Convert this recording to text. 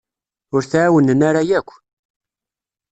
Ur t-εawnen ara yakk.